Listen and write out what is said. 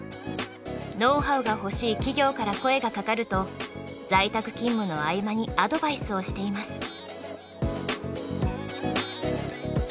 ノウハウが欲しい企業から声がかかると在宅勤務の合間にアドバイスをしています。